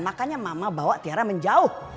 makanya mama bawa tiara menjauh